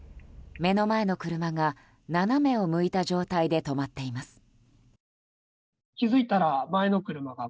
目の前の車が斜めを向いた状態で止まっています。